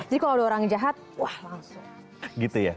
jadi kalau ada orang jahat wah langsung